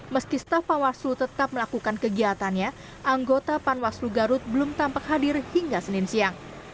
meski staf panwaslu tetap melakukan kegiatannya anggota panwaslu garut belum tampak hadir hingga senin siang